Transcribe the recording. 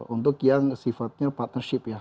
untuk yang sifatnya partnership ya